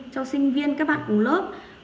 cho sinh viên các bạn cùng lớp